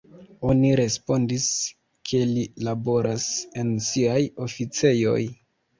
Oni respondis, ke li laboras en siaj oficejoj.